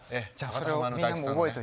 それをみんなも覚えていて。